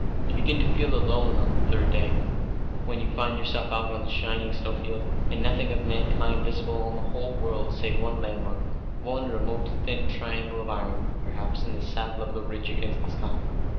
You begin to feel alone on the third day, when you find yourself out on some shining snowfield, and nothing of mankind visible in the whole world save one landmark, one remote thin red triangle of iron, perhaps, in the saddle of the ridge against the sky.